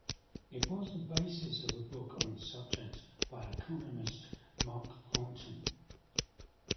It was the basis of a book on the subject by economist Mark Thornton.